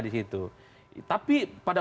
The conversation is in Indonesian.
di situ tapi pada